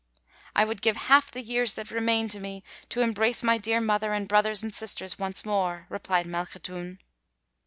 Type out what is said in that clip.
"I would give half the years that remain to me to embrace my dear mother and brothers and sisters once more," replied Malkhatoun.